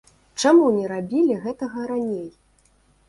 Чаму не рабілі гэтага раней?